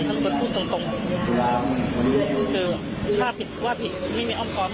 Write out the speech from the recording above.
ท่านเป็นคนพูดตรงตรงคือฆ่าผิดว่าผิดไม่มีอ้อมคอม